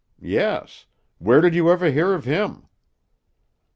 Yes. Where did you ever hear of him?"